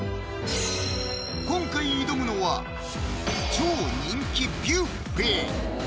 今回挑むのは超人気ビュッフェ